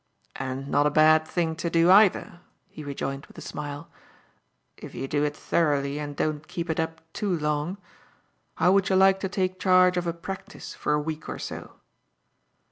"And not a bad thing to do either," he rejoined with a smile, "if you do it thoroughly and don't keep it up too long. How would you like to take charge of a practice for a week or so?"